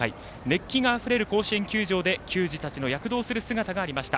熱気があふれる甲子園球場で球児たちの躍動する姿がありました。